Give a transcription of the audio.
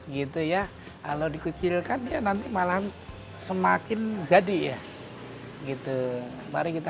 kalau dikucilkan ya nanti malahan semakin jadi ya